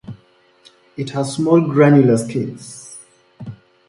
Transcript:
It has small granular scales.